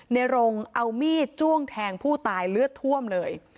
ในรงเอามีดจ้วงแทงผู้ตายเลือดท่วมเลย